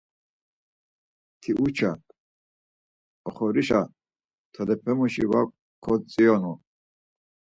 Tiuça, oxorişa tolepemuşi va kotziyonu.